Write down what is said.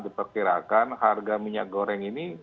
diperkirakan harga minyak goreng ini